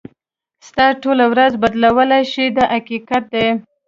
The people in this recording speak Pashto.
ستا ټوله ورځ بدلولای شي دا حقیقت دی.